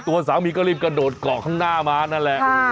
ตัวสามีก็รีบกระโดดเกาะข้างหน้ามานั่นแหละ